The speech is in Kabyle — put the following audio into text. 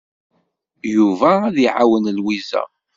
Yuba ad iɛawen Lwiza.